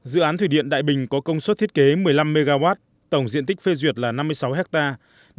dự án thủy điện đại bình có công suất thiết kế một mươi năm mw tổng diện tích phê duyệt là năm mươi sáu hectare